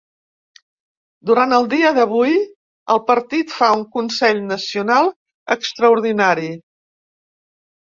Durant el dia d’avui el partit fa un consell nacional extraordinari.